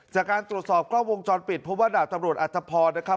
จากการตรวจสอบกล้องวงจรปิดเพราะว่าดาบตำรวจอัตภพรนะครับ